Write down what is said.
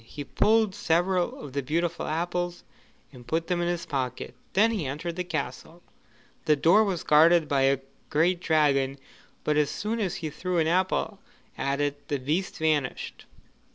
He pulled several of the beautiful apples and put them in his pocket; then he entered the castle. The door was guarded by a great dragon, but as soon as he threw an apple at it, the beast vanished.